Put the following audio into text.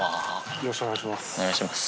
よろしくお願いします。